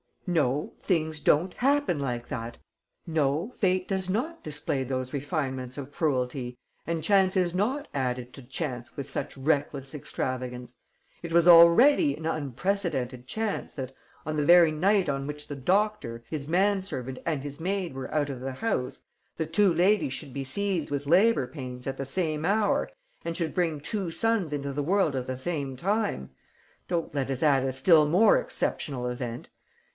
"No, things don't happen like that. No, fate does not display those refinements of cruelty and chance is not added to chance with such reckless extravagance! It was already an unprecedented chance that, on the very night on which the doctor, his man servant and his maid were out of the house, the two ladies should be seized with labour pains at the same hour and should bring two sons into the world at the same time. Don't let us add a still more exceptional event!